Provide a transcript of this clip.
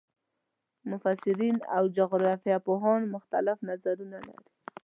مفسرین او جغرافیه پوهان مختلف نظرونه لري.